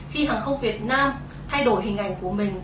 khi hàng không việt nam thay đổi hình ảnh của mình